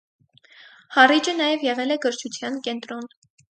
Հառիճը նաև եղել է գրչության կենտրոն։